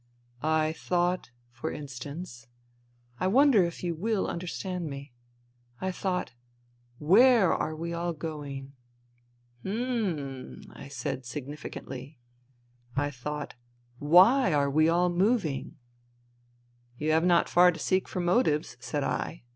" I thought, for instance — I wonder if you will understand me ?— I thought : Where are we all going ?"" Hm," I said significantly. " I thought : Why are we all moving ?"" You have not far to seek for motives," said I.